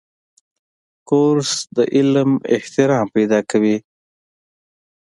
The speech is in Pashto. کورس د علم احترام پیدا کوي.